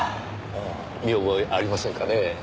見覚えありませんかねぇ？